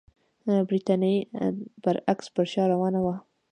برېټانیا برعکس پر شا روانه وه.